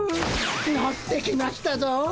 のってきましたぞ！